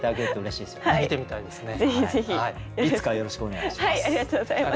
いつかよろしくお願いします。